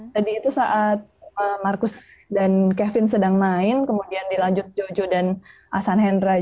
tadi itu saat marcus dan kevin sedang main kemudian dilanjut jojo dan asan hendra